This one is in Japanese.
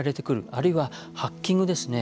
あるいはハッキングですね。